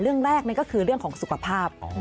เรื่องแรกนั่นก็คือเรื่องของสุขภาพ